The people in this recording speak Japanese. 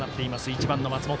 １番の松本。